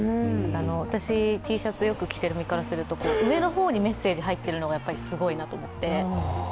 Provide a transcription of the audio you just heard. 私、Ｔシャツよく着ている身からすると、上の方にメッセージ入っているのがすごいなと思って。